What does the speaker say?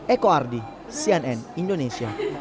eko ardi cnn indonesia